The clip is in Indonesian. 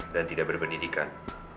dan tidak berpendidikan